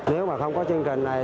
nếu mà không có chương trình này